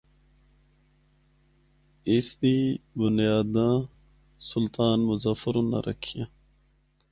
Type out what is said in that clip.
اس دی بنیاداں سلطان مظفر اُناں رکھیاں۔